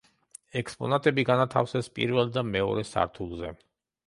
ექსპონატები განათავსეს პირველ და მეორე სართულზე.